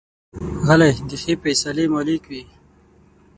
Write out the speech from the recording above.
غلی، د ښې فیصلې مالک وي.